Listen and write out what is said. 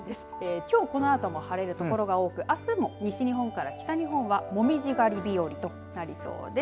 きょうこのあとも晴れる所が多くあすも西日本から北日本は紅葉狩り日和となりそうです。